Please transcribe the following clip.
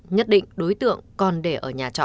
nhất định đối tượng còn để ở nhà trọ